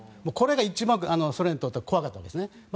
これが一番ソ連にとっては怖かったわけですね。